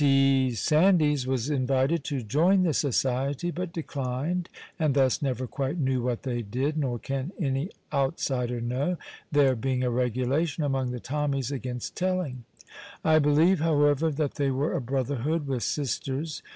T. Sandys was invited to join the society, but declined, and thus never quite knew what they did, nor can any outsider know, there being a regulation among the Tommies against telling. I believe, however, that they were a brotherhood, with sisters.